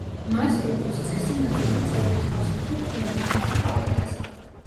მას, როგორც წესი ნაკლები წევრი ჰყავს, ვიდრე ქვემო, თემთა პალატას.